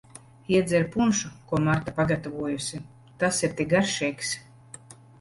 Iedzer punšu, ko Marta pagatavojusi, tas ir tik garšīgs.